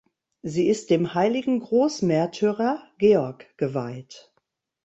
Sie ist dem Heiligen Großmärtyrer Georg geweiht.